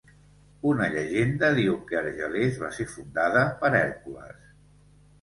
Una llegenda diu que Argelers va ser fundada per Hèrcules.